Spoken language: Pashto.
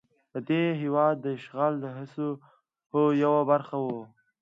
د دې هېواد د اشغال د هڅو یوه برخه وه.